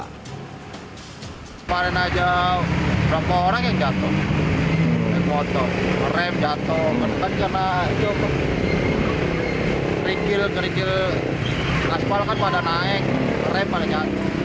hai paling aja berapa orang yang jatuh motor rem jatuh karena